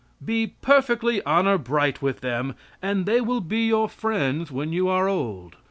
Be perfectly honor bright with them, and they will be your friends when you are old.